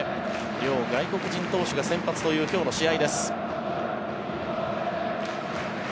両外国人投手が先発という今日の試合です。